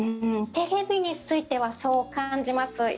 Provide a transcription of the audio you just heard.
テレビについてはそう感じます。